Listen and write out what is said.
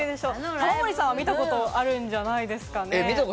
玉森さんは見たことあるんじゃないですかね。